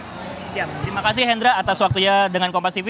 terima kasih hendra atas waktunya dengan kompas tv